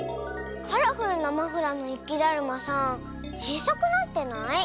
カラフルなマフラーのゆきだるまさんちいさくなってない？